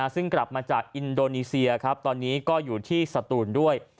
ซึ่งกลับมาจากอินโดนีเซียครับตอนนี้ก็อยู่ที่สตูนด้วย